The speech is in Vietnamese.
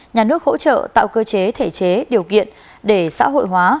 nhà nước hỗ trợ tạo cơ chế thể chế điều kiện để xã hội hóa